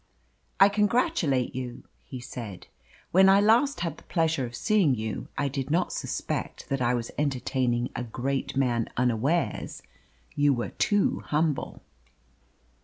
"I congratulate you," he said. "When I last had the pleasure of seeing you, I did not suspect that I was entertaining a great man unawares you were too humble."